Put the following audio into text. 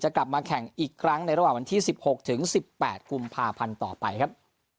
กลับมาแข่งอีกครั้งในระหว่างวันที่๑๖ถึง๑๘กุมภาพันธ์ต่อไปครับ